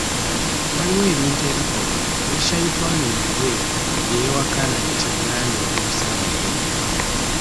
Waliwo ebintu ebikolwa ne Shaitwani naye bye yeewakana nti,"nange eyo ssaabaddeyo".